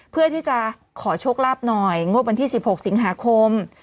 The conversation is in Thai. เพื่อที่จะขอโชคลาภหน่อยงบวันที่๑๖สิงหาคม